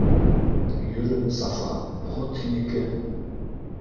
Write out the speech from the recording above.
— Йөрө, Сафа, ход һинеке!